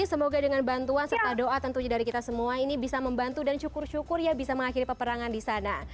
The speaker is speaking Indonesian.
semoga dengan bantuan serta doa tentunya dari kita semua ini bisa membantu dan syukur syukur ya bisa mengakhiri peperangan di sana